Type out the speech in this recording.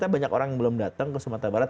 banyak orang yang belum datang ke sumatera barat